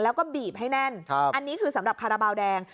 แล้วก็บีบให้แน่นอันนี้คือสำหรับคาราบาลแดง